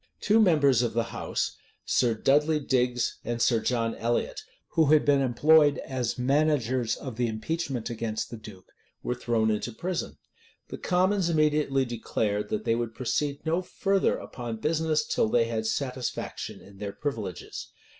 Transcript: Two members of the house, Sir Dudley Digges and Sir John Elliot, who had been employed as managers of the impeachment against the duke, were thrown into prison.[] The commons immediately declared, that they would proceed no further upon business till they had satisfaction in their privileges.